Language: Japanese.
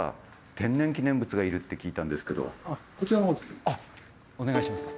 こちらにあっお願いします。